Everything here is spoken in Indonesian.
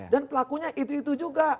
dan pelakunya itu itu juga